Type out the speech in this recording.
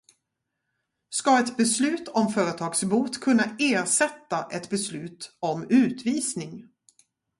Ska ett beslut om företagsbot kunna ersätta ett beslut om utvisning?